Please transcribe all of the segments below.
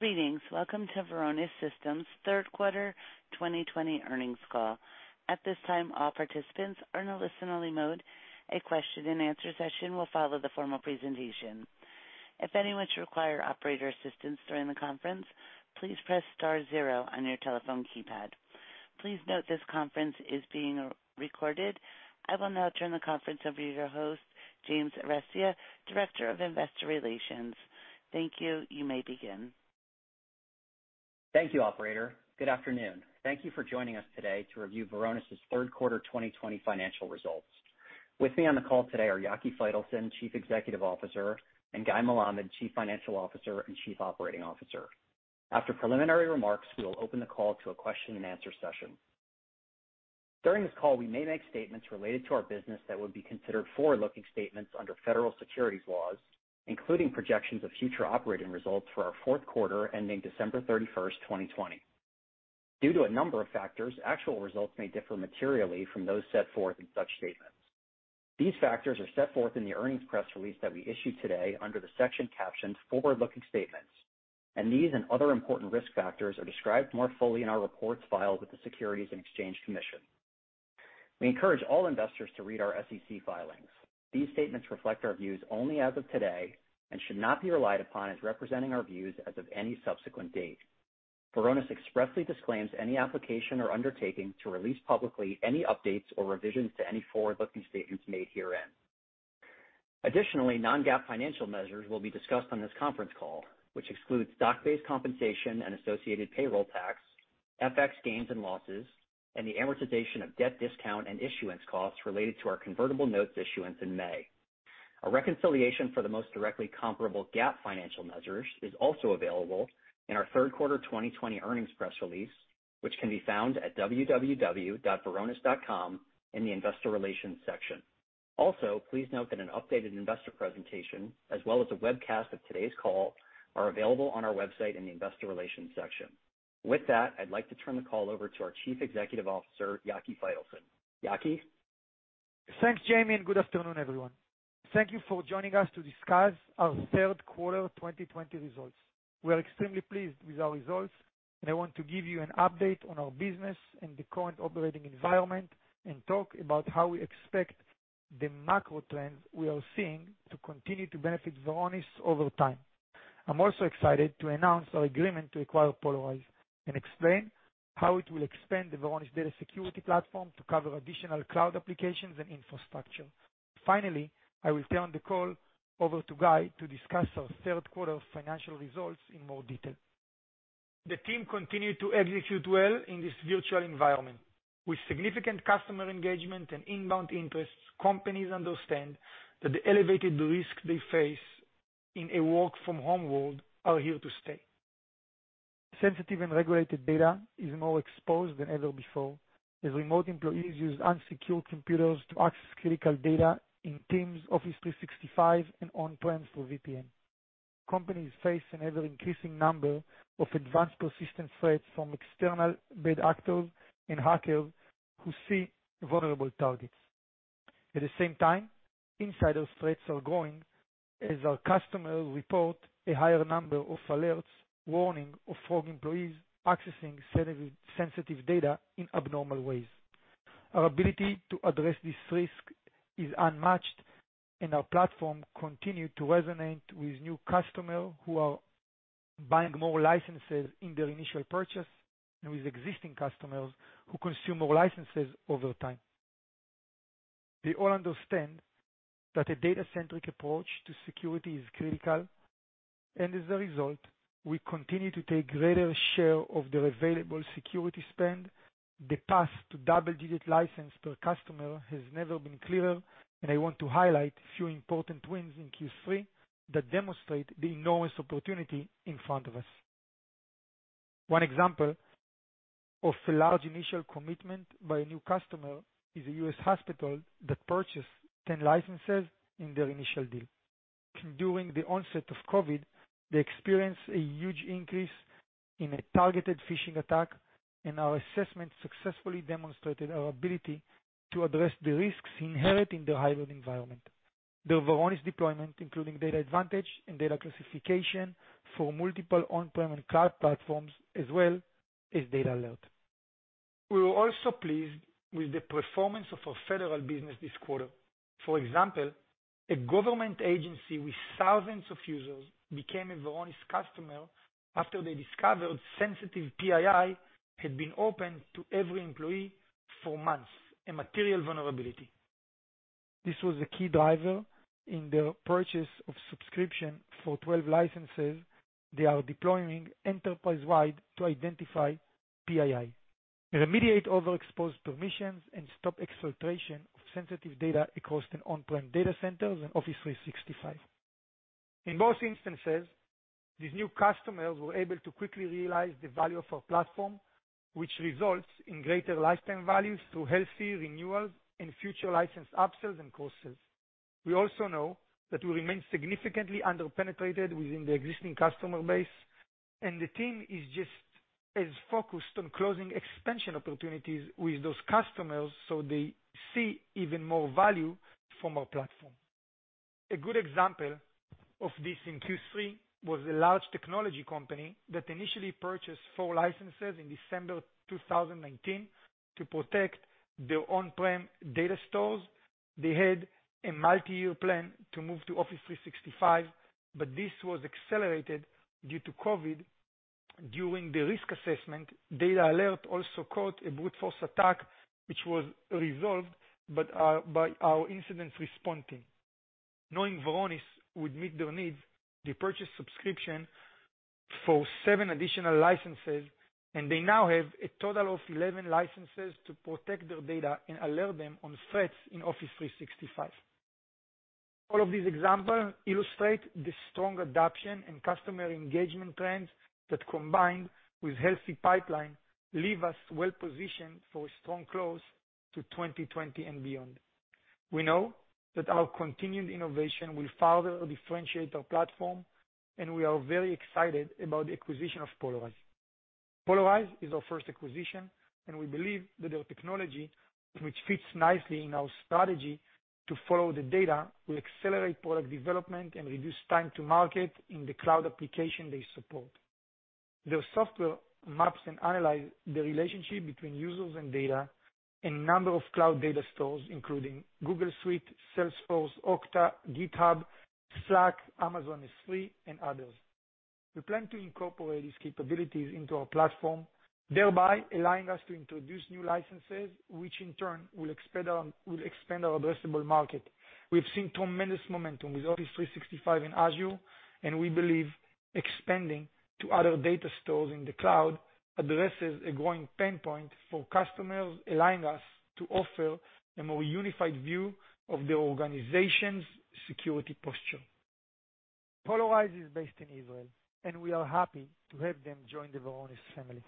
Greetings. Welcome to Varonis Systems' third quarter 2020 earnings call. At this time, all participants are in a listen-only mode. A question and answer session will follow the formal presentation. If anyone should require operator assistance during the conference, please press star zero on your telephone keypad. Please note this conference is being recorded. I will now turn the conference over to your host, James Arestia, Director of Investor Relations. Thank you. You may begin. Thank you, operator. Good afternoon. Thank you for joining us today to review Varonis' third quarter 2020 financial results. With me on the call today are Yaki Faitelson, Chief Executive Officer, and Guy Melamed, Chief Financial Officer and Chief Operating Officer. After preliminary remarks, we will open the call to a question and answer session. During this call, we may make statements related to our business that would be considered forward-looking statements under federal securities laws, including projections of future operating results for our fourth quarter ending December 31st, 2020. Due to a number of factors, actual results may differ materially from those set forth in such statements. These factors are set forth in the earnings press release that we issued today under the section captioned forward-looking statements, and these and other important risk factors are described more fully in our reports filed with the Securities and Exchange Commission. We encourage all investors to read our SEC filings. These statements reflect our views only as of today and should not be relied upon as representing our views as of any subsequent date. Varonis expressly disclaims any application or undertaking to release publicly any updates or revisions to any forward-looking statements made herein. Additionally, non-GAAP financial measures will be discussed on this conference call, which excludes stock-based compensation and associated payroll tax, FX gains and losses, and the amortization of debt discount and issuance costs related to our convertible notes issuance in May. A reconciliation for the most directly comparable GAAP financial measures is also available in our third quarter 2020 earnings press release, which can be found at www.varonis.com in the investor relations section. Also, please note that an updated investor presentation, as well as a webcast of today's call, are available on our website in the investor relations section. With that, I'd like to turn the call over to our Chief Executive Officer, Yaki Faitelson. Yaki? Thanks, James. Good afternoon, everyone. Thank you for joining us to discuss our third quarter 2020 results. We are extremely pleased with our results, and I want to give you an update on our business and the current operating environment and talk about how we expect the macro trends we are seeing to continue to benefit Varonis over time. I'm also excited to announce our agreement to acquire Polyrize and explain how it will expand the Varonis Data Security Platform to cover additional cloud applications and infrastructure. Finally, I will turn the call over to Guy to discuss our third quarter financial results in more detail. The team continued to execute well in this virtual environment. With significant customer engagement and inbound interests, companies understand that the elevated risk they face in a work-from-home world are here to stay. Sensitive and regulated data is more exposed than ever before, as remote employees use unsecured computers to access critical data in Teams, Office 365, and on-prem through VPN. Companies face an ever-increasing number of advanced persistent threats from external bad actors and hackers who see vulnerable targets. At the same time, insider threats are growing as our customers report a higher number of alerts, warning of fraudulent employees accessing sensitive data in abnormal ways. Our ability to address this risk is unmatched, and our platform continued to resonate with new customers who are buying more licenses in their initial purchase and with existing customers who consume more licenses over time. They all understand that a data-centric approach to security is critical, and as a result, we continue to take greater share of their available security spend. The path to double-digit license per customer has never been clearer, and I want to highlight a few important wins in Q3 that demonstrate the enormous opportunity in front of us. One example of a large initial commitment by a new customer is a U.S. hospital that purchased 10 licenses in their initial deal. During the onset of COVID, they experienced a huge increase in a targeted phishing attack, and our assessment successfully demonstrated our ability to address the risks inherent in their hybrid environment. Their Varonis deployment, including DatAdvantage and data classification for multiple on-prem and cloud platforms, as well as DatAlert. We were also pleased with the performance of our federal business this quarter. For example, a government agency with thousands of users became a Varonis customer after they discovered sensitive PII had been open to every employee for months, a material vulnerability. This was a key driver in their purchase of subscription for 12 licenses they are deploying enterprise-wide to identify PII, and remediate overexposed permissions and stop exfiltration of sensitive data across their on-prem data centers and Office 365. In most instances, these new customers were able to quickly realize the value of our platform, which results in greater lifetime values through healthy renewals and future license upsells and cross-sells. We also know that we remain significantly under-penetrated within the existing customer base. The team is just as focused on closing expansion opportunities with those customers so they see even more value from our platform. A good example of this in Q3 was a large technology company that initially purchased four licenses in December 2019 to protect their on-prem data stores. They had a multi-year plan to move to Office 365, but this was accelerated due to COVID. During the risk assessment, they DatAlert also caught a brute force attack, which was resolved by our incident response team. Knowing Varonis would meet their needs, they purchased subscription for seven additional licenses, and they now have a total of 11 licenses to protect their data and alert them on threats in Office 365. All of these examples illustrate the strong adoption and customer engagement trends that, combined with healthy pipeline, leave us well-positioned for a strong close to 2020 and beyond. We know that our continued innovation will further differentiate our platform, and we are very excited about the acquisition of Polyrize. Polyrize is our first acquisition, and we believe that their technology, which fits nicely in our strategy to follow the data, will accelerate product development and reduce time to market in the cloud application they support. Their software maps and analyze the relationship between users and data in a number of cloud data stores, including G Suite, Salesforce, Okta, GitHub, Slack, Amazon S3, and others. We plan to incorporate these capabilities into our platform, thereby allowing us to introduce new licenses, which in turn will expand our addressable market. We've seen tremendous momentum with Office 365 and Azure, and we believe expanding to other data stores in the cloud addresses a growing pain point for customers, allowing us to offer a more unified view of their organization's security posture. Polyrize is based in Israel, and we are happy to have them join the Varonis family.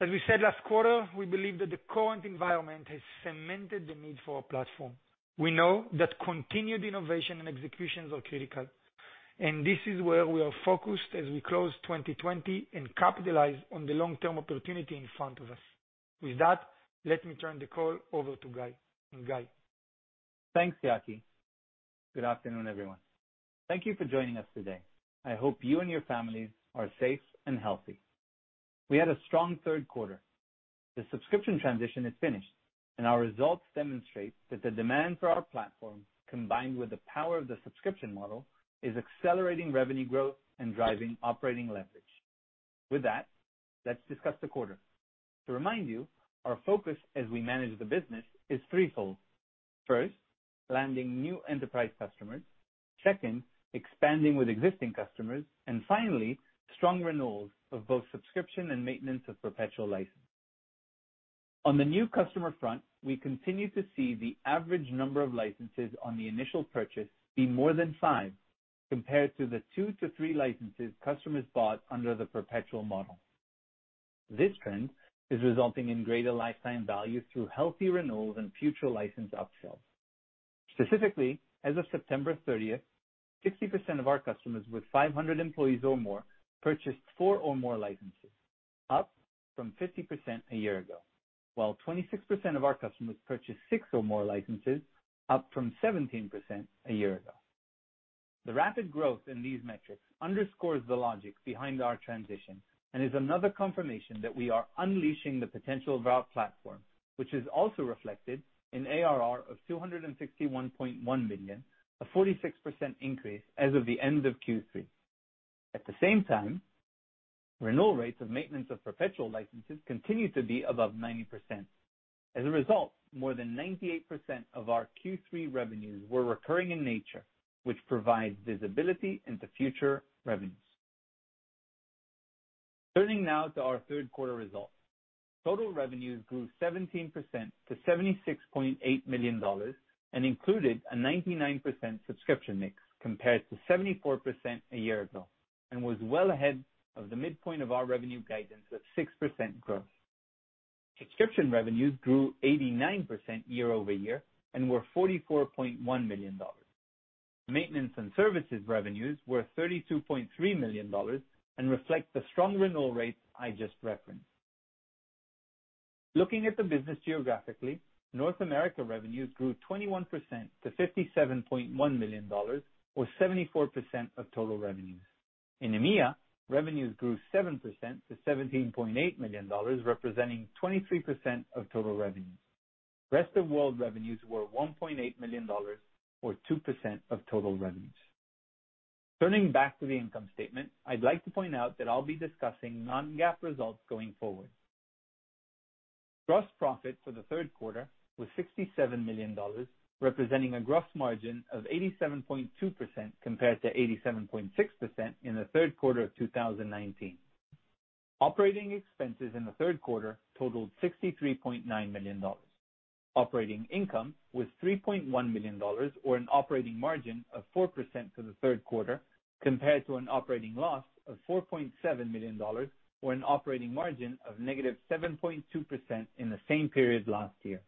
As we said last quarter, we believe that the current environment has cemented the need for our platform. We know that continued innovation and executions are critical, and this is where we are focused as we close 2020 and capitalize on the long-term opportunity in front of us. With that, let me turn the call over to Guy. Guy? Thanks, Yaki. Good afternoon, everyone. Thank you for joining us today. I hope you and your families are safe and healthy. We had a strong third quarter. The subscription transition is finished. Our results demonstrate that the demand for our platform, combined with the power of the subscription model, is accelerating revenue growth and driving operating leverage. With that, let's discuss the quarter. To remind you, our focus as we manage the business is threefold. First, landing new enterprise customers. Second, expanding with existing customers. Finally, strong renewals of both subscription and maintenance of perpetual license. On the new customer front, we continue to see the average number of licenses on the initial purchase be more than five, compared to the two to three licenses customers bought under the perpetual model. This trend is resulting in greater lifetime value through healthy renewals and future license upsells. Specifically, as of September 30th, 60% of our customers with 500 employees or more purchased four or more licenses, up from 50% a year ago, while 26% of our customers purchased six or more licenses, up from 17% a year ago. The rapid growth in these metrics underscores the logic behind our transition and is another confirmation that we are unleashing the potential of our platform, which is also reflected in ARR of $261.1 million, a 46% increase as of the end of Q3. At the same time, renewal rates of maintenance of perpetual licenses continue to be above 90%. As a result, more than 98% of our Q3 revenues were recurring in nature, which provides visibility into future revenues. Turning now to our third quarter results. Total revenues grew 17% to $76.8 million, included a 99% subscription mix, compared to 74% a year ago, was well ahead of the midpoint of our revenue guidance of 6% growth. Subscription revenues grew 89% year-over-year, were $44.1 million. Maintenance and services revenues were $32.3 million, reflect the strong renewal rates I just referenced. Looking at the business geographically, North America revenues grew 21% to $57.1 million, or 74% of total revenues. In EMEA, revenues grew 7% to $17.8 million, representing 23% of total revenue. Rest of world revenues were $1.8 million, or 2% of total revenues. Turning back to the income statement, I'd like to point out that I'll be discussing non-GAAP results going forward. Gross profit for the third quarter was $67 million, representing a gross margin of 87.2%, compared to 87.6% in the third quarter of 2019. Operating expenses in the third quarter totaled $63.9 million. Operating income was $3.1 million, or an operating margin of 4% for the third quarter, compared to an operating loss of $4.7 million, or an operating margin of negative 7.2% in the same period last year.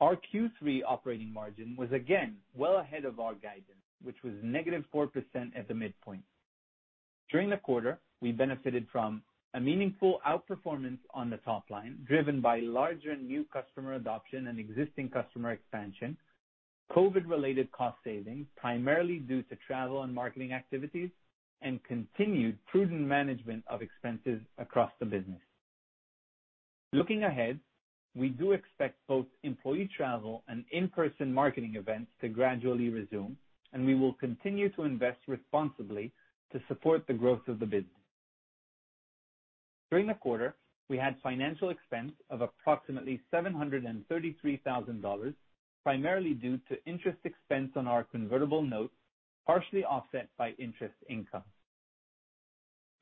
Our Q3 operating margin was again well ahead of our guidance, which was negative 4% at the midpoint. During the quarter, we benefited from a meaningful outperformance on the top line, driven by larger new customer adoption and existing customer expansion, COVID-related cost saving, primarily due to travel and marketing activities, and continued prudent management of expenses across the business. Looking ahead, we do expect both employee travel and in-person marketing events to gradually resume, and we will continue to invest responsibly to support the growth of the business. During the quarter, we had financial expense of approximately $733,000, primarily due to interest expense on our convertible notes, partially offset by interest income.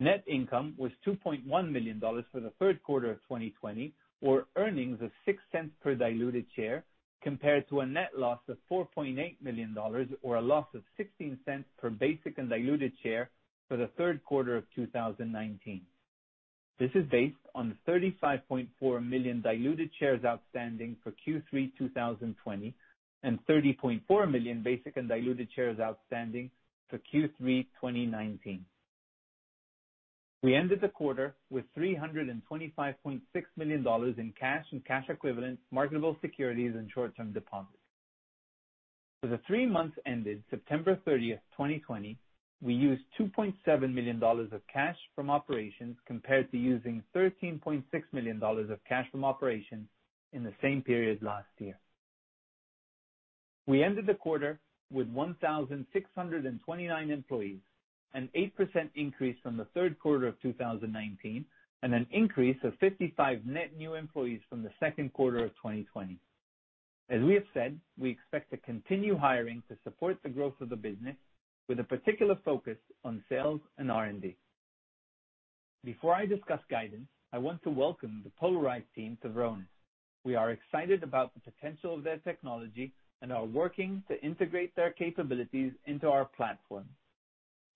Net income was $2.1 million for the third quarter of 2020, or earnings of $0.06 per diluted share, compared to a net loss of $4.8 million or a loss of $0.16 per basic and diluted share for the third quarter of 2019. This is based on 35.4 million diluted shares outstanding for Q3 2020 and 30.4 million basic and diluted shares outstanding for Q3 2019. We ended the quarter with $325.6 million in cash and cash equivalents, marketable securities, and short-term deposits. For the three months ended September 30th, 2020, we used $2.7 million of cash from operations compared to using $13.6 million of cash from operations in the same period last year. We ended the quarter with 1,629 employees, an 8% increase from the third quarter of 2019, and an increase of 55 net new employees from the second quarter of 2020. As we have said, we expect to continue hiring to support the growth of the business with a particular focus on sales and R&D. Before I discuss guidance, I want to welcome the Polyrize team to Varonis. We are excited about the potential of their technology and are working to integrate their capabilities into our platform.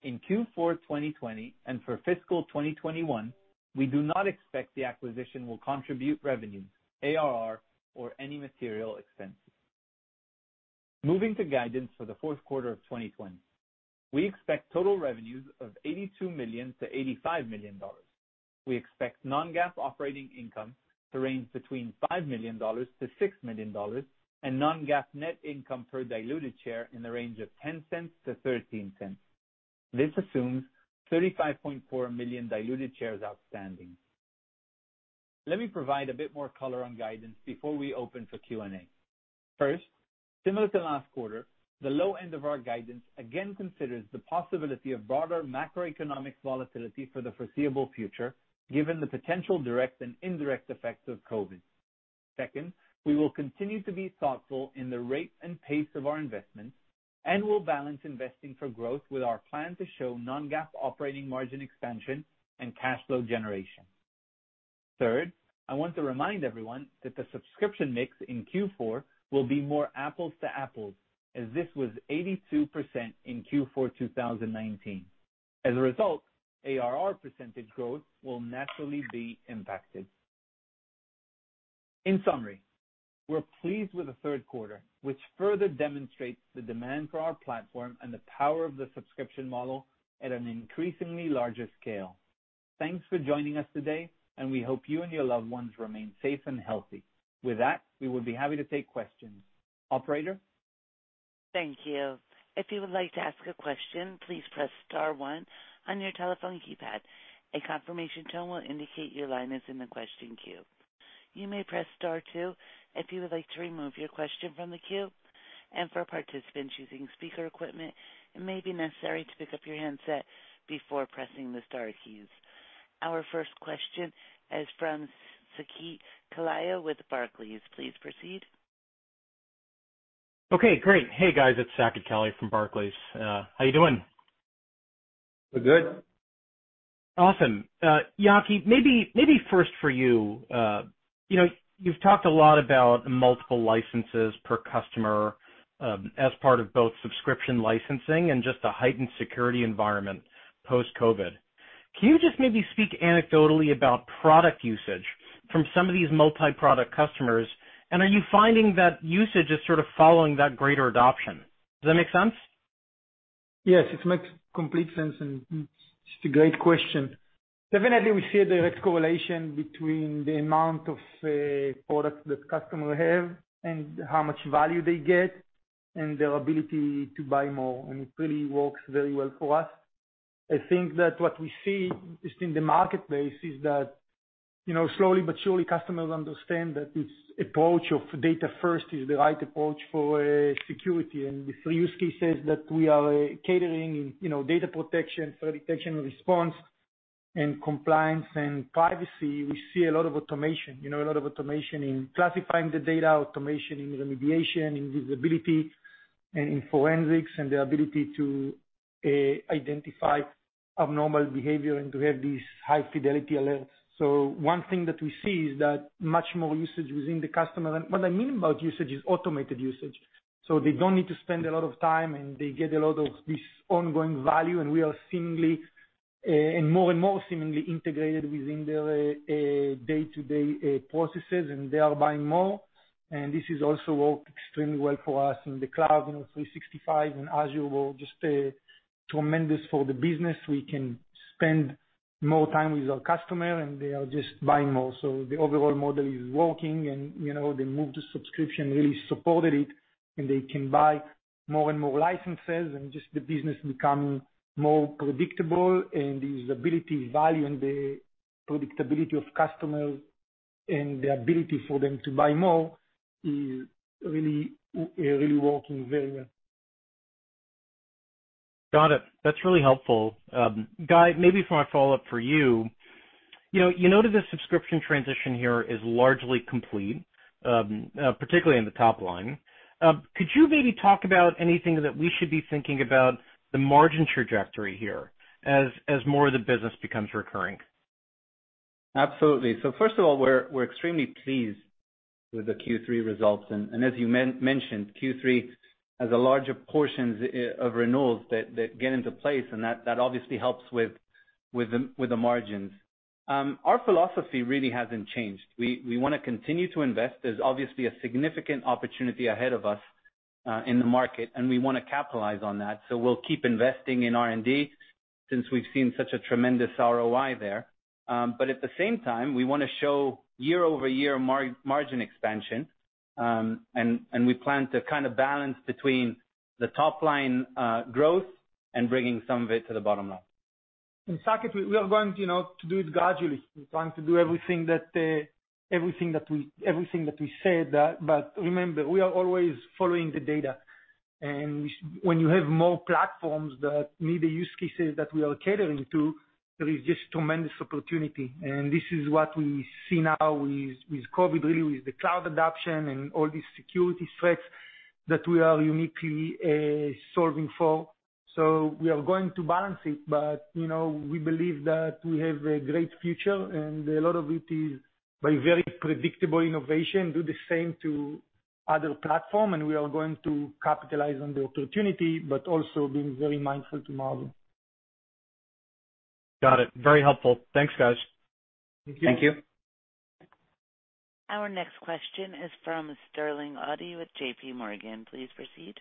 In Q4 2020 and for fiscal 2021, we do not expect the acquisition will contribute revenue, ARR, or any material expenses. Moving to guidance for the fourth quarter of 2020. We expect total revenues of $82 million-$85 million. We expect non-GAAP operating income to range between $5 million-$6 million and non-GAAP net income per diluted share in the range of $0.10-$0.13. This assumes 35.4 million diluted shares outstanding. Let me provide a bit more color on guidance before we open for Q&A. First, similar to last quarter, the low end of our guidance again considers the possibility of broader macroeconomic volatility for the foreseeable future, given the potential direct and indirect effects of COVID. Second, we will continue to be thoughtful in the rate and pace of our investments and will balance investing for growth with our plan to show non-GAAP operating margin expansion and cash flow generation. Third, I want to remind everyone that the subscription mix in Q4 will be more apples to apples as this was 82% in Q4 2019. As a result, ARR % growth will naturally be impacted. In summary, we're pleased with the third quarter, which further demonstrates the demand for our platform and the power of the subscription model at an increasingly larger scale. Thanks for joining us today, and we hope you and your loved ones remain safe and healthy. With that, we will be happy to take questions. Operator? Thank you. Our first question is from Saket Kalia with Barclays. Please proceed. Okay, great. Hey, guys. It's Saket Kalia from Barclays. How you doing? We're good. Awesome. Yaki, maybe first for you. You've talked a lot about multiple licenses per customer, as part of both subscription licensing and just a heightened security environment post-COVID. Can you just maybe speak anecdotally about product usage from some of these multi-product customers, and are you finding that usage is sort of following that greater adoption? Does that make sense? It makes complete sense, and it's a great question. Definitely, we see a direct correlation between the amount of products that customer have and how much value they get and their ability to buy more, and it really works very well for us. I think that what we see just in the marketplace is that slowly but surely, customers understand that this approach of data-first is the right approach for security. The three use cases that we are catering in, data protection, threat detection and response, and compliance and privacy, we see a lot of automation. A lot of automation in classifying the data, automation in remediation, in visibility, and in forensics, and the ability to identify abnormal behavior and to have these high-fidelity alerts. One thing that we see is that much more usage within the customer, what I mean about usage is automated usage. They don't need to spend a lot of time, they get a lot of this ongoing value, we are seemingly, and more and more seemingly integrated within their day-to-day processes, they are buying more. This has also worked extremely well for us in the cloud, you know, 365 and Azure were just tremendous for the business. We can spend more time with our customer, they are just buying more. The overall model is working, they moved to subscription, really supported it, they can buy more and more licenses and just the business become more predictable and the usability value and the predictability of customers and the ability for them to buy more is really working very well. Got it. That's really helpful. Guy, maybe for my follow-up for you noted the subscription transition here is largely complete, particularly in the top line. Could you maybe talk about anything that we should be thinking about the margin trajectory here as more of the business becomes recurring? Absolutely. First of all, we're extremely pleased with the Q3 results. As you mentioned, Q3 has a larger portions of renewals that get into place, and that obviously helps with the margins. Our philosophy really hasn't changed. We want to continue to invest. There's obviously a significant opportunity ahead of us in the market, and we want to capitalize on that. We'll keep investing in R&D since we've seen such a tremendous ROI there. At the same time, we want to show year-over-year margin expansion. We plan to kind of balance between the top line growth and bringing some of it to the bottom line. Saket, we are going to do it gradually. We're going to do everything that we said. Remember, we are always following the data. When you have more platforms that need the use cases that we are catering to, there is just tremendous opportunity. This is what we see now with COVID, really, with the cloud adoption and all these security threats that we are uniquely, solving for. We are going to balance it. We believe that we have a great future, and a lot of it is by very predictable innovation, do the same to other platform, and we are going to capitalize on the opportunity, but also being very mindful to model. Got it. Very helpful. Thanks, guys. Thank you. Thank you. Our next question is from Sterling Auty with JPMorgan. Please proceed.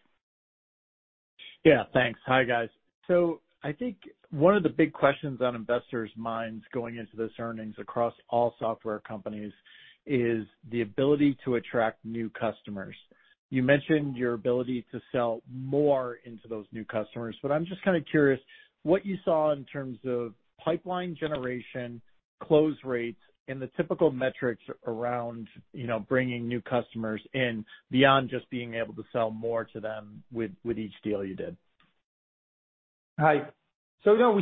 Yeah, thanks. Hi, guys. I think one of the big questions on investors' minds going into this earnings across all software companies is the ability to attract new customers. You mentioned your ability to sell more into those new customers, I'm just kind of curious what you saw in terms of pipeline generation, close rates, and the typical metrics around bringing new customers in beyond just being able to sell more to them with each deal you did. Hi. Yeah,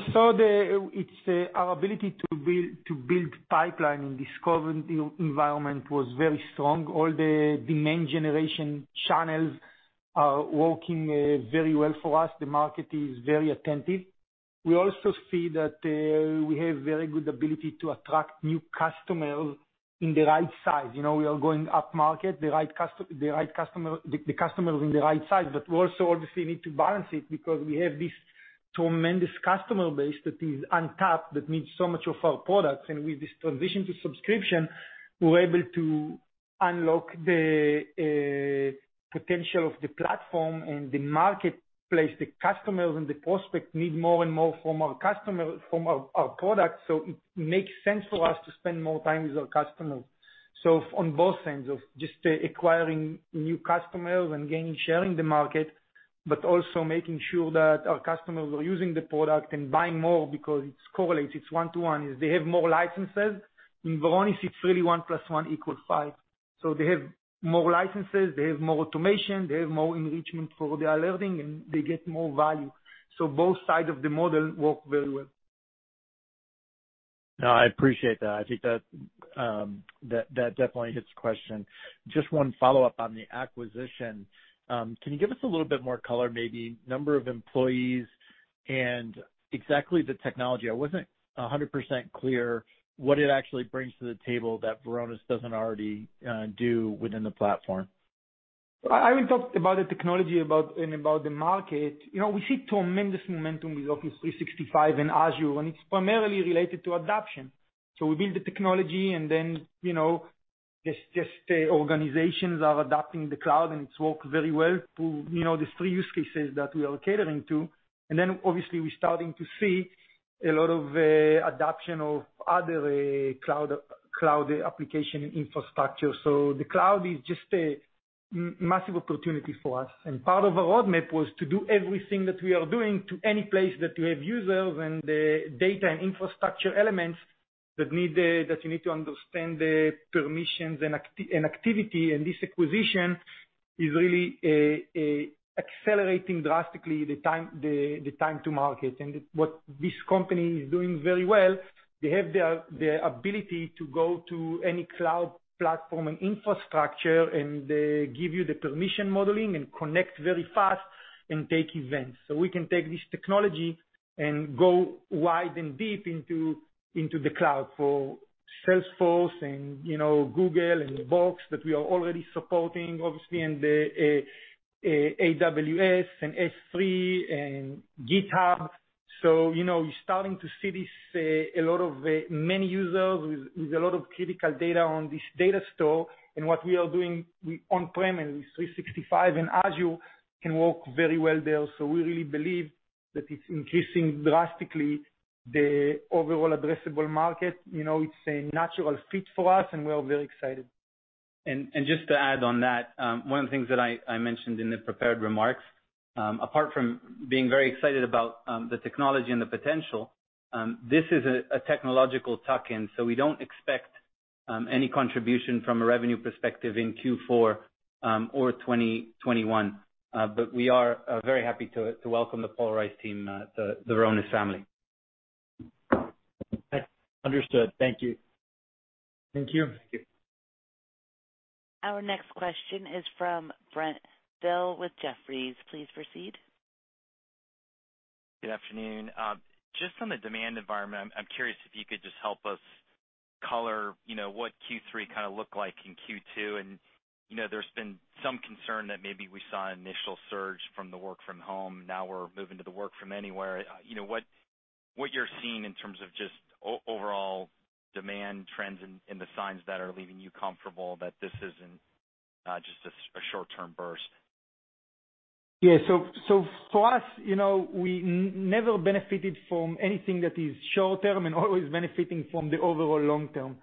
our ability to build pipeline in this current environment was very strong. All the demand generation channels are working very well for us. The market is very attentive. We also see that we have very good ability to attract new customers in the right size. We are going upmarket, the customer in the right size. We also obviously need to balance it because we have this tremendous customer base that is untapped, that needs so much of our products. With this transition to subscription, we're able to unlock the potential of the platform and the marketplace. The customers and the prospects need more and more from our products. It makes sense for us to spend more time with our customers. On both ends of just acquiring new customers and gaining, sharing the market, but also making sure that our customers are using the product and buying more because it correlates. It's one to one. If they have more licenses, in Varonis, it's really one plus one equals five. They have more licenses, they have more automation, they have more enrichment for their learning, and they get more value. Both sides of the model work very well. No, I appreciate that. I think that definitely hits the question. Just one follow-up on the acquisition. Can you give us a little bit more color, maybe number of employees and exactly the technology? I wasn't 100% clear what it actually brings to the table that Varonis doesn't already do within the platform. I will talk about the technology and about the market. We see tremendous momentum with Office 365 and Azure, it's primarily related to adoption. We build the technology, the organizations are adopting the cloud, it's worked very well to these three use cases that we are catering to. Obviously we're starting to see a lot of adoption of other cloud application infrastructure. The cloud is a massive opportunity for us. Part of our roadmap was to do everything that we are doing to any place that we have users and the data and infrastructure elements that you need to understand the permissions and activity. This acquisition is really accelerating drastically the time to market. What this company is doing very well, they have the ability to go to any cloud platform and infrastructure, and they give you the permission modeling and connect very fast and take events. We can take this technology and go wide and deep into the cloud for Salesforce and Google and Box that we are already supporting, obviously, and AWS and S3 and GitHub. you know, you're starting to see this, a lot of many users with a lot of critical data on this data store and what we are doing on-prem and with 365 and Azure can work very well there. We really believe that it's increasing drastically the overall addressable market. It's a natural fit for us, and we are very excited. Just to add on that, one of the things that I mentioned in the prepared remarks, apart from being very excited about the technology and the potential, this is a technological tuck-in, so we don't expect any contribution from a revenue perspective in Q4 or 2021. We are very happy to welcome the Polyrize team, the Varonis family. Understood. Thank you. Thank you. Thank you. Our next question is from Brent Thill with Jefferies. Please proceed. Good afternoon. Just on the demand environment, I am curious if you could just help us color what Q3 looked like in Q2, and there has been some concern that maybe we saw an initial surge from the work from home, now we are moving to the work from anywhere. What you are seeing in terms of just overall demand trends and the signs that are leaving you comfortable that this is not just a short-term burst? Yeah. For us, we never benefited from anything that is short-term and always benefiting from the overall long-term.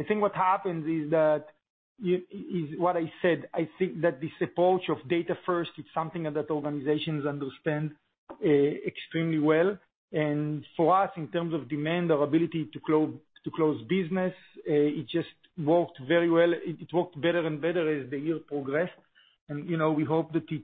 I think what happens is what I said, I think that this approach of data first, it's something that organizations understand extremely well. For us, in terms of demand, our ability to close business, it just worked very well. It worked better and better as the year progressed, and we hope that it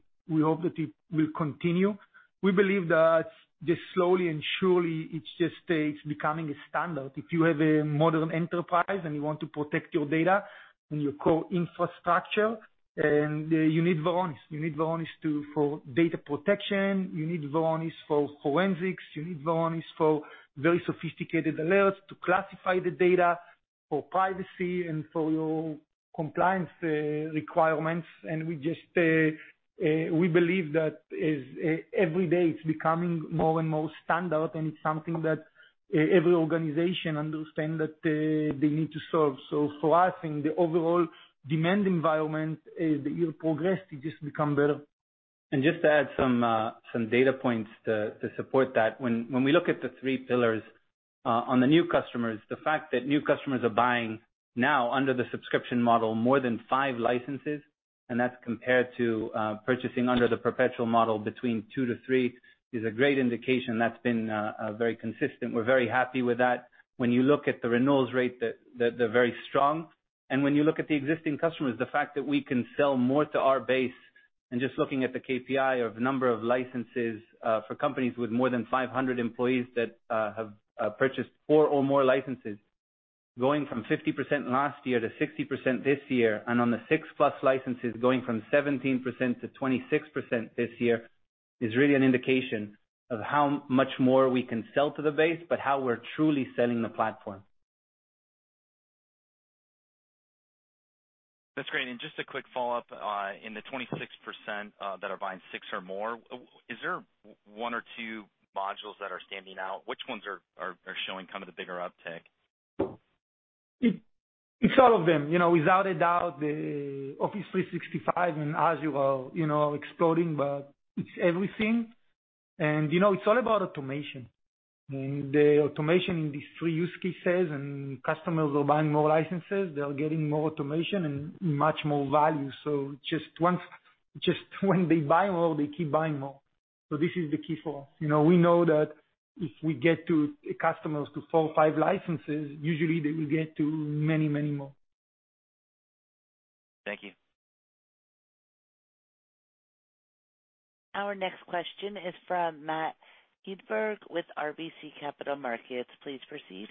will continue. We believe that just slowly and surely it's just becoming a standard. If you have a modern enterprise and you want to protect your data and your core infrastructure, you need Varonis. You need Varonis for data protection, you need Varonis for forensics, you need Varonis for very sophisticated alerts to classify the data for privacy and for your compliance requirements. We believe that every day it's becoming more and more standard, and it's something that every organization understand that they need to solve. For us, in the overall demand environment, as the year progressed, it just become better. Just to add some data points to support that. When we look at the three pillars, on the new customers, the fact that new customers are buying now under the subscription model, more than five licenses, and that's compared to purchasing under the perpetual model between two to three, is a great indication. That's been very consistent. We're very happy with that. When you look at the renewals rate, they're very strong. When you look at the existing customers, the fact that we can sell more to our base, and just looking at the KPI of number of licenses for companies with more than 500 employees that have purchased four or more licenses. Going from 50% last year to 60% this year, on the 6+ licenses, going from 17%-26% this year, is really an indication of how much more we can sell to the base, but how we're truly selling the platform. That's great. Just a quick follow-up. In the 26% that are buying six or more, is there one or two modules that are standing out? Which ones are showing the bigger uptick? It's all of them. Without a doubt, the Office 365 and Azure are exploding, but it's everything. It's all about automation. The automation in these three use cases, and customers are buying more licenses, they're getting more automation and much more value. Just when they buy more, they keep buying more. This is the key for us. We know that if we get customers to four or five licenses, usually they will get to many, many more. Thank you. Our next question is from Matt Hedberg with RBC Capital Markets. Please proceed.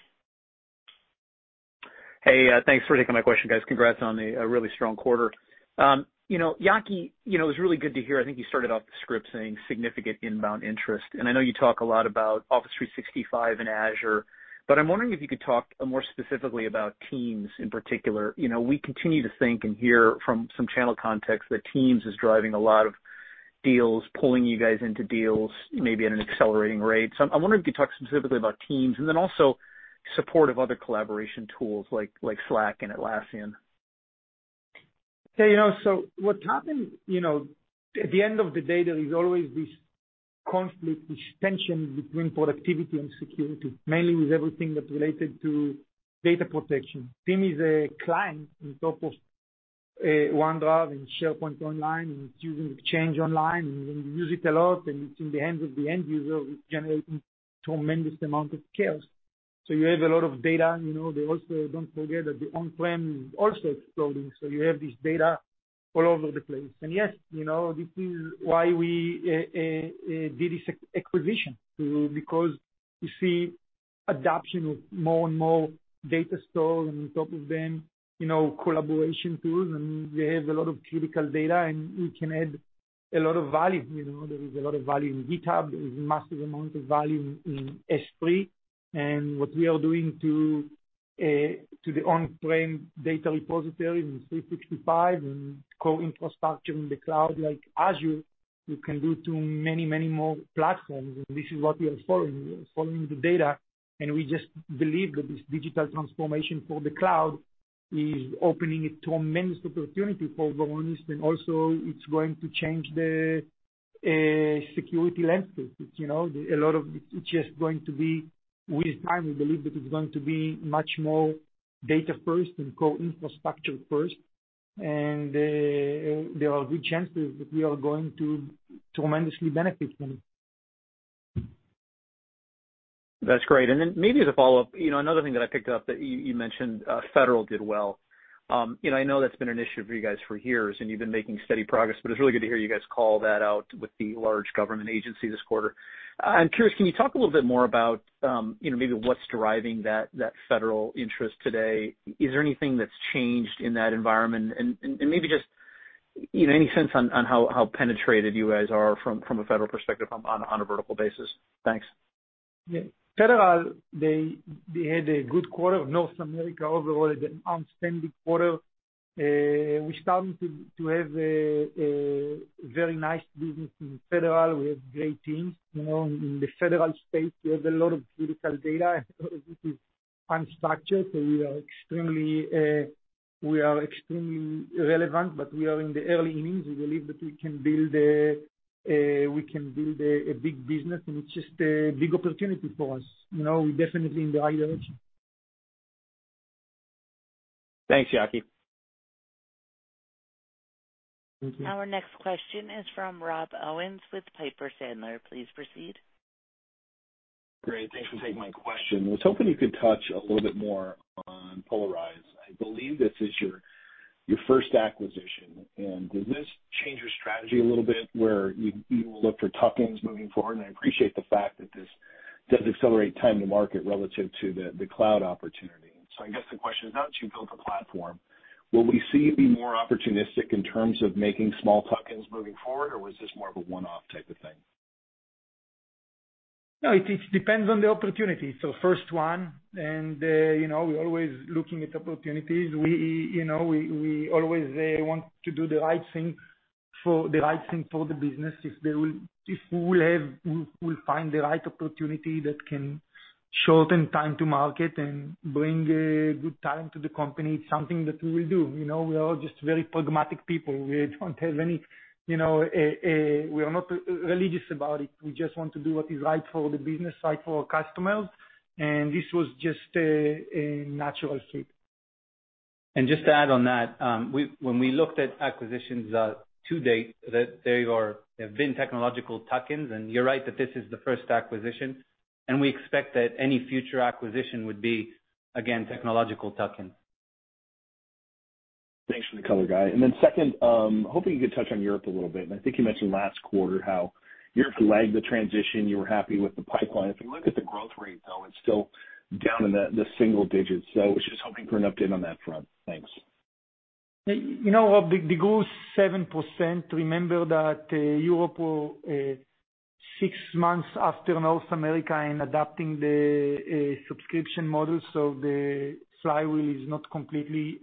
Hey, thanks for taking my question, guys. Congrats on a really strong quarter. Yaki, it was really good to hear, I think you started off the script saying significant inbound interest, and I know you talk a lot about Office 365 and Azure, but I'm wondering if you could talk more specifically about Teams in particular. We continue to think and hear from some channel context that Teams is driving a lot of deals, pulling you guys into deals, maybe at an accelerating rate. So I wonder if you could talk specifically about Teams and then also support of other collaboration tools like Slack and Atlassian. What happened, at the end of the day, there is always this conflict, this tension between productivity and security, mainly with everything that's related to data protection. Team is a client on top of OneDrive and SharePoint Online, and it's using Exchange Online, and when you use it a lot, and it's in the hands of the end user, it's generating tremendous amount of chaos. You have a lot of data, and also don't forget that the on-prem is also exploding. You have this data all over the place. Yes, this is why we did this acquisition, because we see adoption of more and more data stores, and on top of them, collaboration tools, and they have a lot of critical data, and we can add a lot of value. There is a lot of value in GitHub. There is massive amount of value in S3. What we are doing to the on-prem data repositories in 365 and co-infrastructure in the cloud, like Azure, you can do to many more platforms, and this is what we are following the data. We just believe that this digital transformation for the cloud is opening a tremendous opportunity for Varonis, and also it's going to change the security landscape. With time, we believe that it's going to be much more data first and co-infrastructure first, and there are good chances that we are going to tremendously benefit from it. That's great. Maybe as a follow-up, another thing that I picked up that you mentioned, Federal did well. I know that's been an issue for you guys for years, and you've been making steady progress, but it's really good to hear you guys call that out with the large government agency this quarter. I'm curious, can you talk a little bit more about, maybe what's driving that Federal interest today? Is there anything that's changed in that environment? Maybe just, any sense on how penetrated you guys are from a Federal perspective on a vertical basis? Thanks. Yeah. Federal, they had a good quarter. North America overall had an outstanding quarter. We're starting to have a very nice business in Federal. We have great teams. In the Federal state, we have a lot of critical data, which is unstructured, so we are extremely relevant, but we are in the early innings. We believe that we can build a big business, and it's just a big opportunity for us. We're definitely in the right direction. Thanks, Yaki. Thank you. Our next question is from Rob Owens with Piper Sandler. Please proceed. Great. Thanks for taking my question. I was hoping you could touch a little bit more on Polyrize. I believe this is your first acquisition. Does this change your strategy a little bit, where you will look for tuck-ins moving forward? I appreciate the fact that this does accelerate time to market relative to the cloud opportunity. I guess the question is, how did you build the platform? Will we see you be more opportunistic in terms of making small tuck-ins moving forward, or was this more of a one-off type of thing? No, it depends on the opportunity. First one, and we're always looking at opportunities. We always want to do the right thing for the business. If we'll find the right opportunity that can shorten time to market and bring a good time to the company, it's something that we will do. We are all just very pragmatic people. We are not religious about it. We just want to do what is right for the business, right for our customers, and this was just a natural fit. Just to add on that, when we looked at acquisitions to date, they have been technological tuck-ins, and you're right that this is the first acquisition. We expect that any future acquisition would be, again, technological tuck-in. Thanks for the color, Guy. Second, hoping you could touch on Europe a little bit. I think you mentioned last quarter how Europe lagged the transition. You were happy with the pipeline. If you look at the growth rate, though, it's still down in the single digits. I was just hoping for an update on that front. Thanks. Rob, it grew 7%. Remember that Europe were six months after North America in adopting the subscription model, so the flywheel is not completely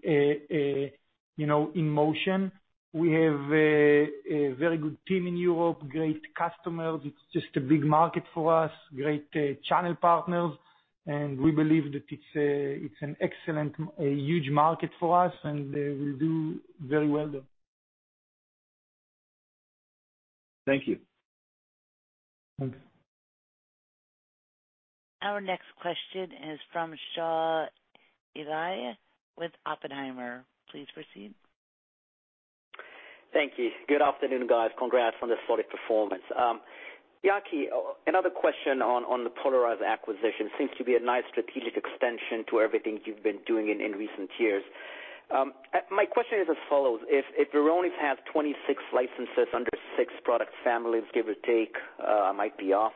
in motion. We have a very good team in Europe, great customers. It's just a big market for us, great channel partners, and we believe that it's an excellent, huge market for us, and we'll do very well there. Thank you. Thanks. Our next question is from Shaul Eyal with Oppenheimer. Please proceed. Thank you. Good afternoon, guys. Congrats on the solid performance. Yaki, another question on the Polyrize acquisition. Seems to be a nice strategic extension to everything you've been doing in recent years. My question is as follows: If Varonis has 26 licenses under six product families, give or take, I might be off,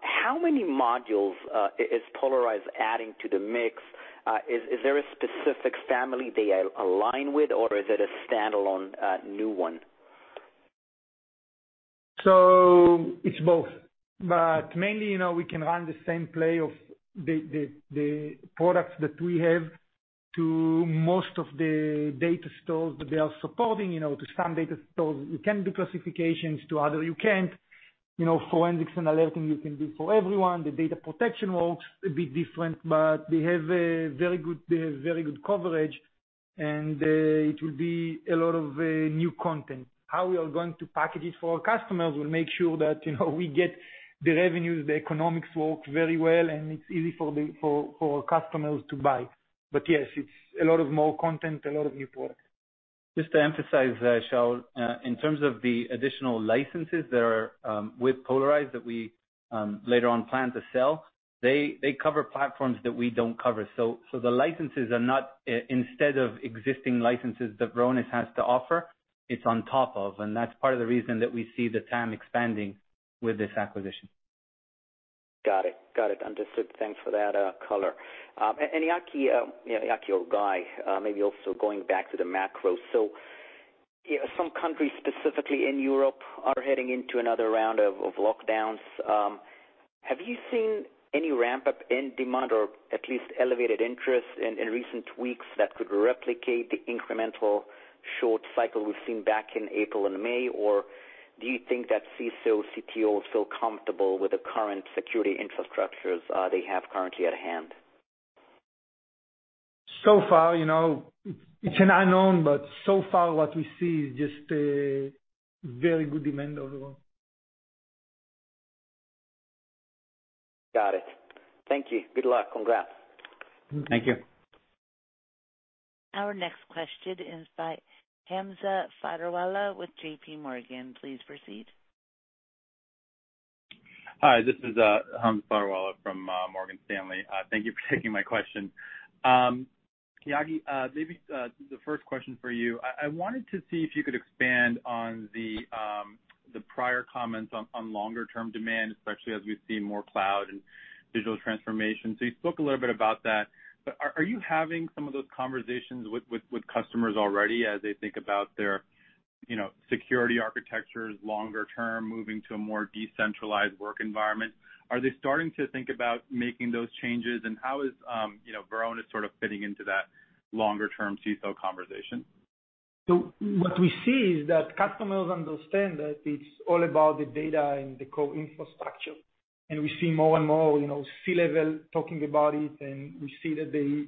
how many modules is Polyrize adding to the mix? Is there a specific family they align with, or is it a standalone, new one? It's both. Mainly, we can run the same play of the products that we have to most of the data stores that they are supporting. To some data stores, you can do classifications, to others, you can't. Forensics and alerting, you can do for everyone. The data protection works a bit different, but they have very good coverage, and it will be a lot of new content. How we are going to package it for our customers, we'll make sure that we get the revenues, the economics work very well, and it's easy for our customers to buy. Yes, it's a lot of more content, a lot of new products. Just to emphasize, Shaul, in terms of the additional licenses that are with Polyrize that we later on plan to sell, they cover platforms that we don't cover. The licenses are not instead of existing licenses that Varonis has to offer, it's on top of, and that's part of the reason that we see the TAM expanding with this acquisition. Got it. Understood. Thanks for that color. Yaki or Guy, maybe also going back to the macro. Some countries specifically in Europe are heading into another round of lockdowns. Have you seen any ramp-up in demand or at least elevated interest in recent weeks that could replicate the incremental short cycle we've seen back in April and May? Or do you think that CISOs, CTOs feel comfortable with the current security infrastructures they have currently at hand? Far, it's an unknown, but so far what we see is just a very good demand overall. Got it. Thank you. Good luck. Congrats. Thank you. Our next question is by Hamza Fodderwala with JPMorgan. Please proceed. Hi, this is Hamza Fodderwala from Morgan Stanley. Thank you for taking my question. Yaki, maybe the first question for you. I wanted to see if you could expand on the prior comments on longer term demand, especially as we see more cloud and digital transformation. You spoke a little bit about that. Are you having some of those conversations with customers already as they think about their security architectures longer term, moving to a more decentralized work environment? Are they starting to think about making those changes, and how is Varonis sort of fitting into that longer term CISO conversation? What we see is that customers understand that it's all about the data and the core infrastructure. We see more and more C-level talking about it, and we see that they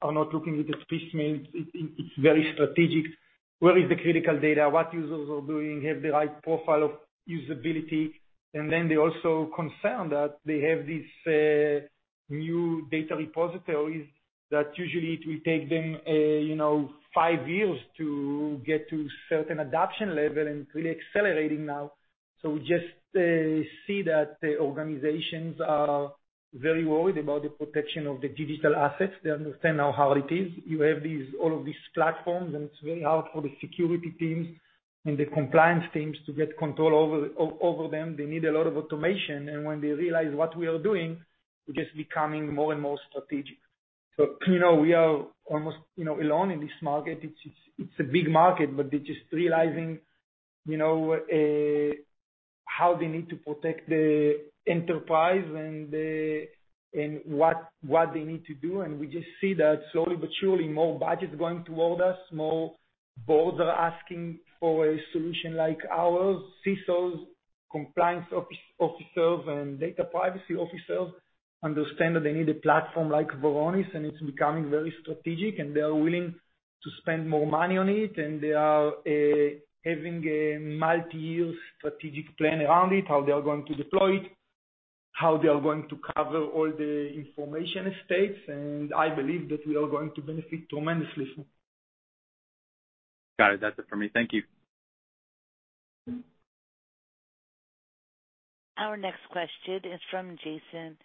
are not looking at it piecemeal. It's very strategic. Where is the critical data, what users are doing, have the right profile of usability. They also concerned that they have these new data repositories that usually it will take them five years to get to certain adoption level, and it's really accelerating now. We just see that the organizations are very worried about the protection of the digital assets. They understand now how it is. You have all of these platforms, and it's very hard for the security teams and the compliance teams to get control over them. They need a lot of automation, when they realize what we are doing, we're just becoming more and more strategic. We are almost alone in this market. It's a big market, but they're just realizing how they need to protect the enterprise and what they need to do. We just see that slowly but surely, more budgets going toward us, more boards are asking for a solution like ours. CISOs, compliance officers, and data privacy officers understand that they need a platform like Varonis, and it's becoming very strategic, and they are willing to spend more money on it. They are having a multi-year strategic plan around it, how they are going to deploy it, how they are going to cover all the information at stakes, and I believe that we are going to benefit tremendously from it. Got it. That's it for me. Thank you. Our next question is from Jason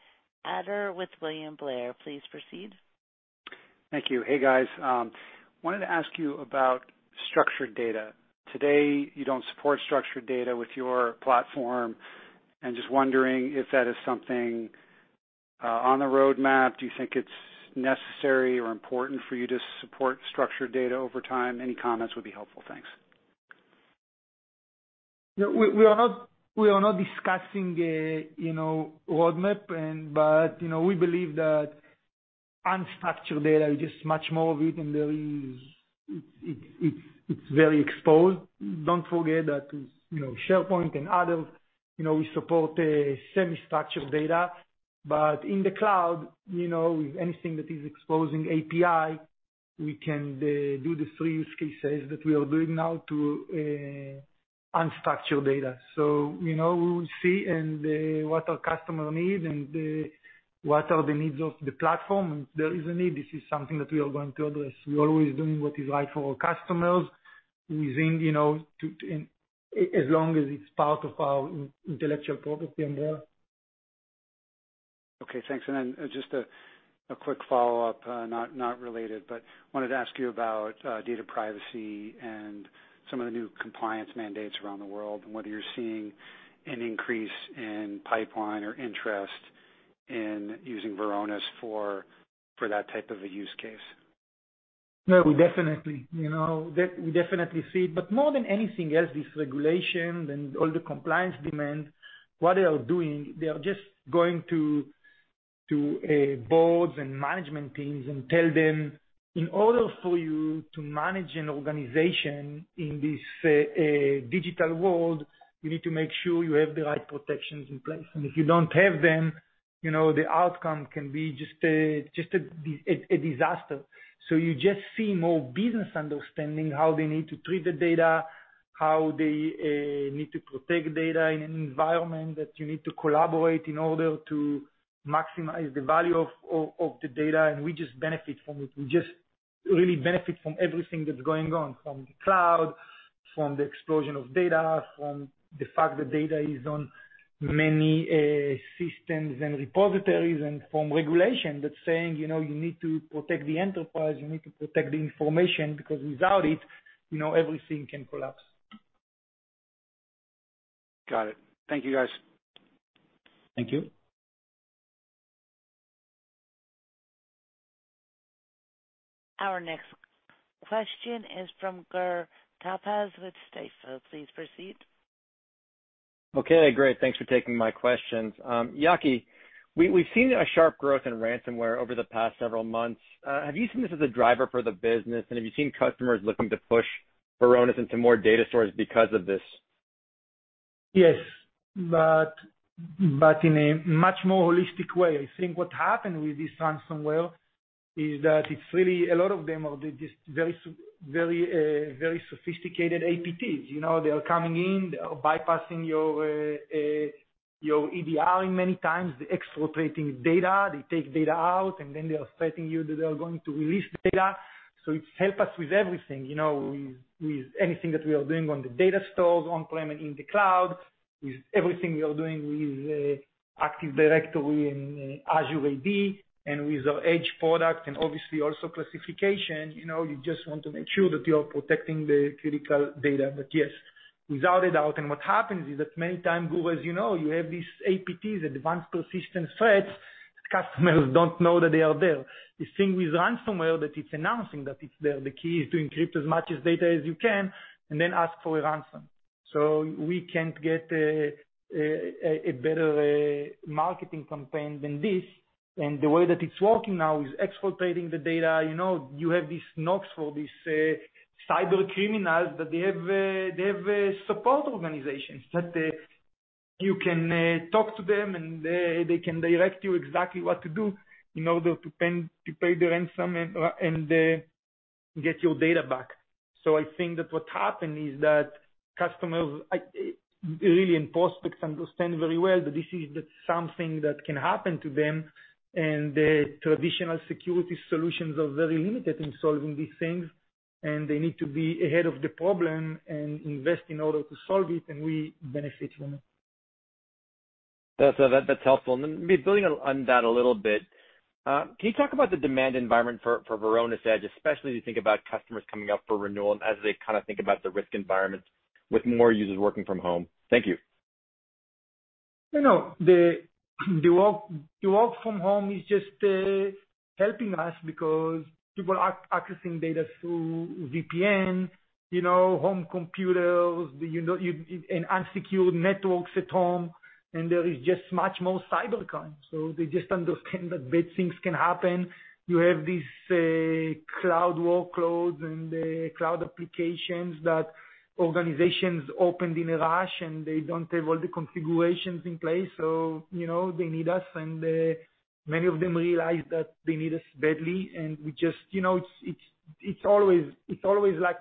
Ader with William Blair. Please proceed. Thank you. Hey, guys. I wanted to ask you about structured data. Today, you don't support structured data with your platform, and just wondering if that is something on the roadmap. Do you think it's necessary or important for you to support structured data over time? Any comments would be helpful. Thanks. We are not discussing roadmap, but we believe that unstructured data is just much more of it, and it's very exposed. Don't forget that SharePoint and others, we support semi-structured data. In the cloud, with anything that is exposing API, we can do the three use cases that we are doing now to unstructured data. We will see and what our customer need and what are the needs of the platform. If there is a need, this is something that we are going to address. We're always doing what is right for our customers using, as long as it's part of our intellectual property umbrella. Okay, thanks. Just a quick follow-up, not related, but wanted to ask you about data privacy and some of the new compliance mandates around the world, and whether you're seeing an increase in pipeline or interest in using Varonis for that type of a use case. No, we definitely see it. More than anything else, this regulation and all the compliance demand, what they are doing, they are just going to boards and management teams and tell them, "In order for you to manage an organization in this digital world, you need to make sure you have the right protections in place. And if you don't have them, the outcome can be just a disaster." You just see more business understanding how they need to treat the data, how they need to protect data in an environment that you need to collaborate in order to maximize the value of the data, and we just benefit from it. We just really benefit from everything that's going on, from the cloud, from the explosion of data, from the fact that data is on many systems and repositories, and from regulation that's saying you need to protect the enterprise, you need to protect the information because without it, everything can collapse. Got it. Thank you, guys. Thank you. Our next question is from Gur Talpaz with Stifel. Please proceed. Okay, great. Thanks for taking my questions. Yaki, we've seen a sharp growth in ransomware over the past several months. Have you seen this as a driver for the business, and have you seen customers looking to push Varonis into more data stores because of this? Yes, in a much more holistic way. I think what happened with this ransomware is that a lot of them are just very sophisticated APTs. They are coming in, they are bypassing your EDR many times, they're exfiltrating data, they take data out, they are threatening you that they are going to release data. It helps us with everything, with anything that we are doing on the data stores, on-prem and in the cloud, with everything we are doing with Active Directory and Azure AD and with our Edge product and obviously also classification. You just want to make sure that you are protecting the critical data. Yes, without a doubt. What happens is that many times, Gur, as you know, you have these APTs, advanced persistent threats, customers don't know that they are there. The thing with ransomware that it's announcing that it's there, the key is to encrypt as much as data as you can and then ask for a ransom. We can't get a better marketing campaign than this. The way that it's working now is exfiltrating the data. You have these NOCs for these cybercriminals, that they have support organizations that you can talk to them, and they can direct you exactly what to do in order to pay the ransom and get your data back. I think that what happened is that customers, really and prospects understand very well that this is something that can happen to them, and traditional security solutions are very limited in solving these things, and they need to be ahead of the problem and invest in order to solve it, and we benefit from it. That's helpful. Then maybe building on that a little bit, can you talk about the demand environment for Varonis Edge, especially as you think about customers coming up for renewal and as they kind of think about the risk environment with more users working from home? Thank you. The work from home is just helping us because people are accessing data through VPN, home computers, and unsecure networks at home, and there is just much more cybercrime. They just understand that bad things can happen. You have these cloud workloads and cloud applications that organizations opened in a rush, and they don't have all the configurations in place, so they need us, and many of them realize that they need us badly. It's always like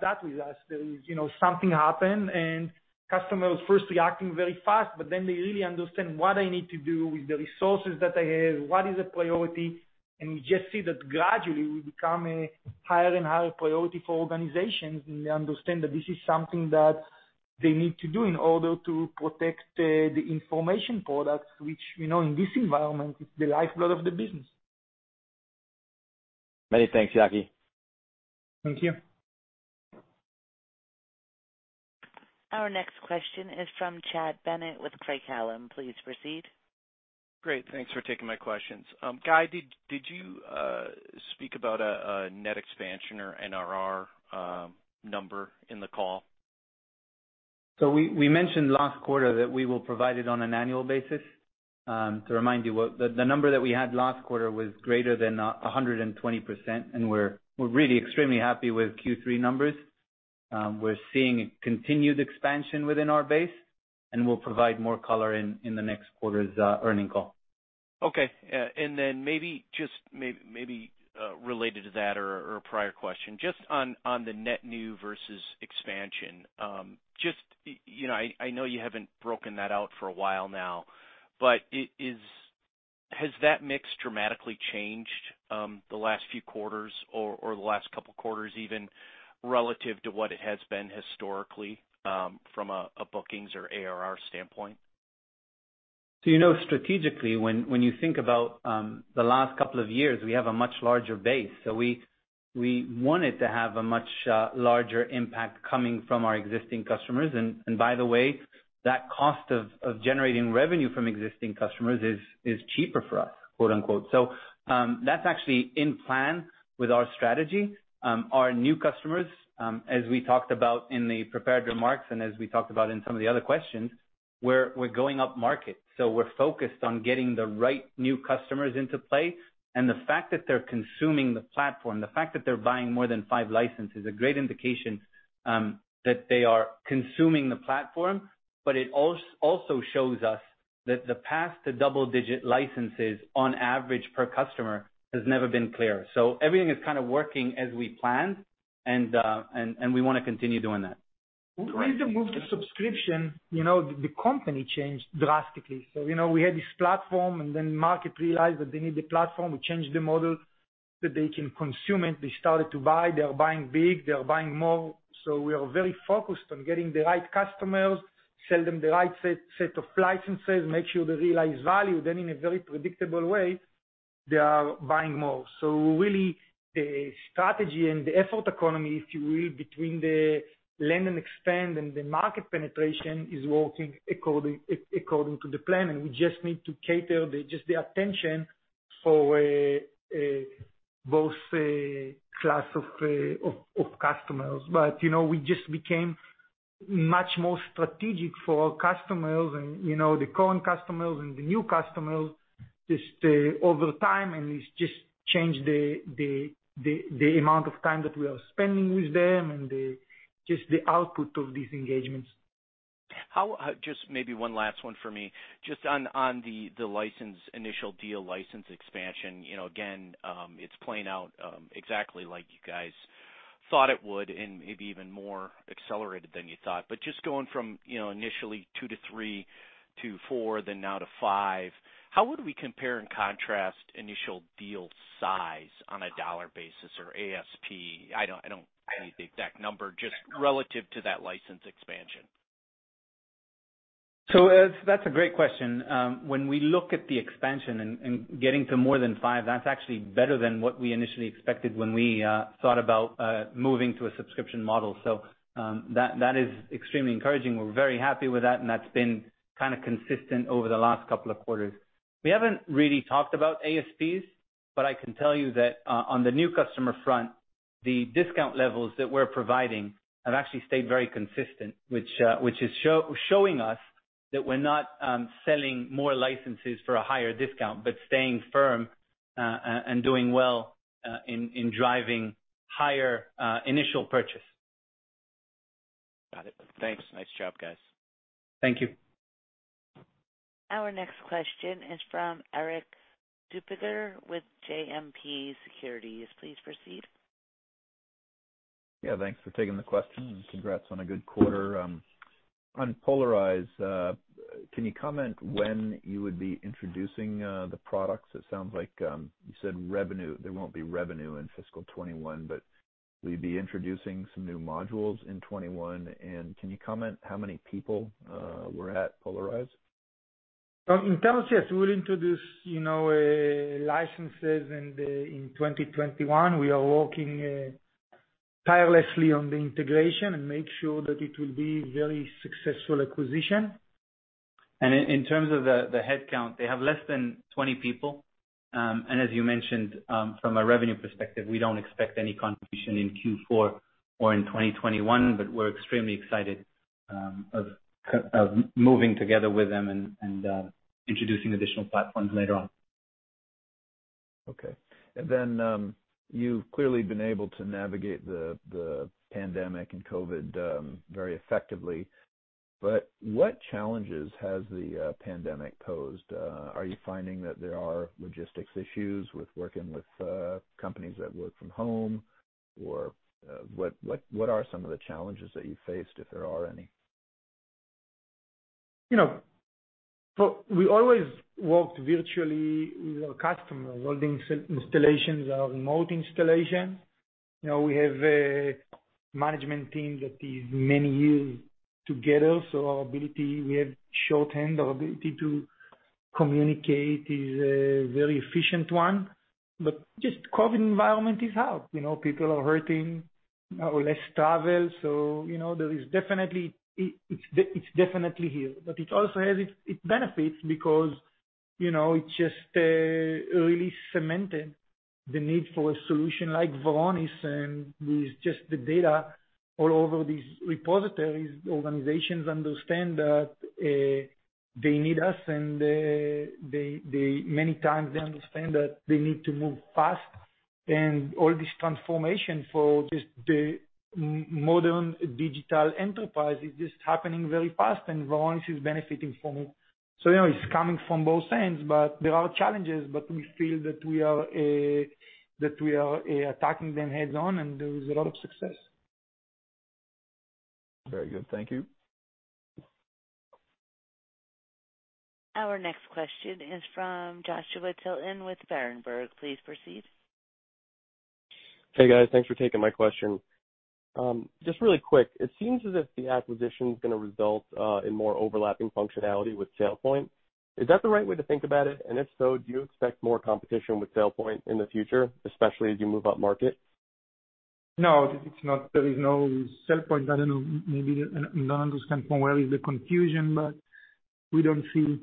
that with us. There is something happen and customers first reacting very fast, but then they really understand what I need to do with the resources that I have, what is the priority? You just see that gradually we become a higher and higher priority for organizations, and they understand that this is something that they need to do in order to protect the information products, which, in this environment, is the lifeblood of the business. Many thanks, Yaki. Thank you. Our next question is from Chad Bennett with Craig-Hallum. Please proceed. Great. Thanks for taking my questions. Guy, did you speak about a net expansion or NRR number in the call? We mentioned last quarter that we will provide it on an annual basis. To remind you, the number that we had last quarter was greater than 120%, and we're really extremely happy with Q3 numbers. We're seeing a continued expansion within our base, and we'll provide more color in the next quarter's earning call. Okay. Maybe just related to that or a prior question, just on the net new versus expansion. I know you haven't broken that out for a while now, has that mix dramatically changed the last few quarters or the last couple of quarters, even relative to what it has been historically from a bookings or ARR standpoint? Strategically, when you think about the last couple of years, we have a much larger base. We wanted to have a much larger impact coming from our existing customers. By the way, that cost of generating revenue from existing customers is cheaper for us, quote unquote. That's actually in plan with our strategy. Our new customers, as we talked about in the prepared remarks and as we talked about in some of the other questions, we're going upmarket. We're focused on getting the right new customers into play, and the fact that they're consuming the platform, the fact that they're buying more than five licenses, a great indication that they are consuming the platform. It also shows us that the path to double-digit licenses on average per customer has never been clearer. Everything is kind of working as we planned, and we want to continue doing that. With the move to subscription, the company changed drastically. We had this platform, and then market realized that they need the platform. We changed the model that they can consume it. They started to buy. They are buying big. They are buying more. We are very focused on getting the right customers, sell them the right set of licenses, make sure they realize value, then in a very predictable way, they are buying more. Really, the strategy and the effort economy, if you will, between the land and expand and the market penetration is working according to the plan. We just need to cater just the attention for both class of customers. We just became much more strategic for our customers and the current customers and the new customers just over time, and it's just changed the amount of time that we are spending with them and just the output of these engagements. How, just maybe one last one for me. Just on the license initial deal, license expansion, again, it's playing out exactly like you guys thought it would and maybe even more accelerated than you thought. Just going from initially two to three, to four, then now to five, how would we compare and contrast initial deal size on a dollar basis or ASP? I don't need the exact number, just relative to that license expansion. That's a great question. When we look at the expansion and getting to more than five, that's actually better than what we initially expected when we thought about moving to a subscription model. That is extremely encouraging. We're very happy with that, and that's been kind of consistent over the last couple of quarters. We haven't really talked about ASPs, but I can tell you that on the new customer front, the discount levels that we're providing have actually stayed very consistent, which is showing us that we're not selling more licenses for a higher discount, but staying firm, and doing well in driving higher initial purchase. Got it. Thanks. Nice job, guys. Thank you. Our next question is from Erik Suppiger with JMP Securities. Please proceed. Yeah, thanks for taking the question, and congrats on a good quarter. On Polarize, can you comment when you would be introducing the products? It sounds like, you said revenue. There won't be revenue in fiscal 2021, but will you be introducing some new modules in 2021? Can you comment how many people were at Polarize? In terms, yes, we'll introduce licenses in 2021. We are working tirelessly on the integration and make sure that it will be very successful acquisition. In terms of the headcount, they have less than 20 people. As you mentioned, from a revenue perspective, we don't expect any contribution in Q4 or in 2021. We're extremely excited of moving together with them and introducing additional platforms later on. Okay. You've clearly been able to navigate the pandemic and COVID, very effectively. What challenges has the pandemic posed? Are you finding that there are logistics issues with working with companies that work from home? What are some of the challenges that you faced, if there are any? We always worked virtually with our customers, all the installations are remote installation. We have a management team that is many years together, so our ability, we have shorthand. Our ability to communicate is a very efficient one. Just COVID environment is hard. People are hurting or less travel. It's definitely here. It also has its benefits because, it just really cemented the need for a solution like Varonis and with just the data all over these repositories, organizations understand that, they need us and, many times they understand that they need to move fast. All this transformation for just the modern digital enterprise is just happening very fast, and Varonis is benefiting from it. It's coming from both ends, but there are challenges, but we feel that we are attacking them heads on, and there is a lot of success. Very good. Thank you. Our next question is from Joshua Tilton with Berenberg. Please proceed. Hey, guys. Thanks for taking my question. Just really quick. It seems as if the acquisition's gonna result in more overlapping functionality with SailPoint. Is that the right way to think about it? If so, do you expect more competition with SailPoint in the future, especially as you move up market? No. There is no SailPoint. I don't know, maybe I don't understand from where is the confusion, but we don't see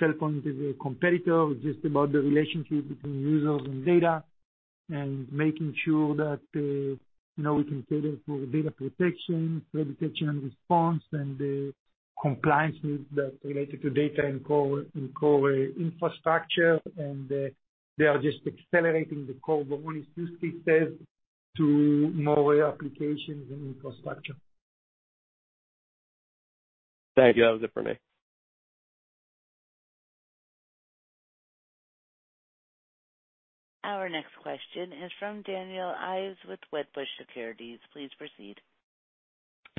SailPoint as a competitor. It's just about the relationship between users and data and making sure that we can cater for data protection, threat detection and response, and the compliance needs that related to data and core infrastructure. They are just accelerating the core Varonis use cases to more applications and infrastructure. Thank you. That was it for me. Our next question is from Daniel Ives with Wedbush Securities. Please proceed.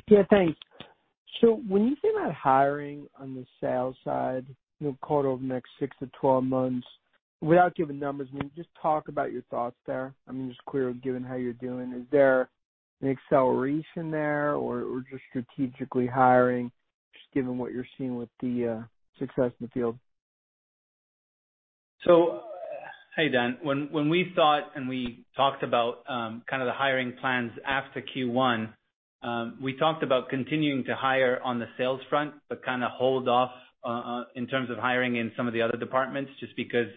Yeah, thanks. When you think about hiring on the sales side, quarter over the next 6 to 12 months, without giving numbers, can you just talk about your thoughts there? I mean, just clearly given how you're doing, is there an acceleration there or just strategically hiring, just given what you're seeing with the success in the field? Hey, Dan. When we thought and we talked about, kind of the hiring plans after Q1, we talked about continuing to hire on the sales front, but kind of hold off in terms of hiring in some of the other departments, just because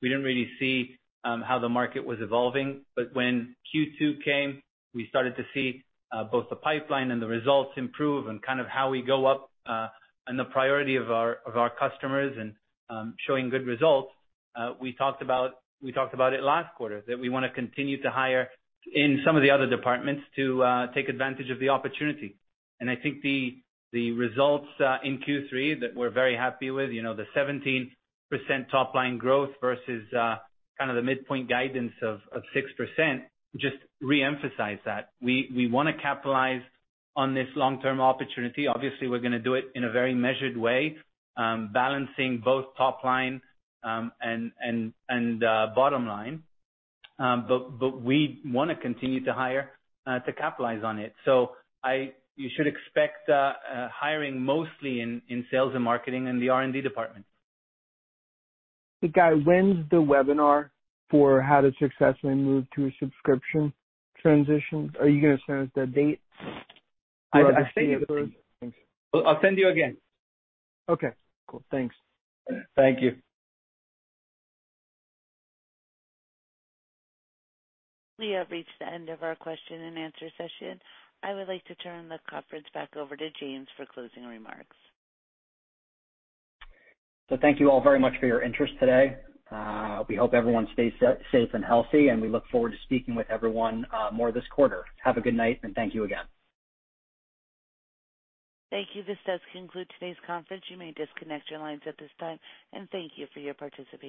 we didn't really see how the market was evolving. When Q2 came, we started to see both the pipeline and the results improve and kind of how we go up, and the priority of our customers and showing good results. We talked about it last quarter, that we wanna continue to hire in some of the other departments to take advantage of the opportunity. I think the results, in Q3, that we're very happy with, the 17% top-line growth versus kind of the midpoint guidance of 6%, just reemphasize that. We want to capitalize on this long-term opportunity. Obviously, we're gonna do it in a very measured way, balancing both top line, and bottom line. We want to continue to hire to capitalize on it. You should expect hiring mostly in sales and marketing and the R&D department. Hey, Guy, when's the webinar for how to successfully move to a subscription transition? Are you gonna send us the date? I'll send you again. Okay, cool. Thanks. Thank you. We have reached the end of our question and answer session. I would like to turn the conference back over to James for closing remarks. Thank you all very much for your interest today. We hope everyone stays safe and healthy, and we look forward to speaking with everyone more this quarter. Have a good night, and thank you again. Thank you. This does conclude today's conference. You may disconnect your lines at this time, and thank you for your participation.